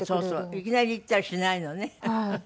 いきなり言ったりしないのね。